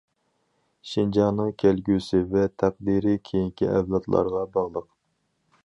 شىنجاڭنىڭ كەلگۈسى ۋە تەقدىرى كېيىنكى ئەۋلادلارغا باغلىق.